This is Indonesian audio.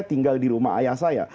tinggal di rumah ayah saya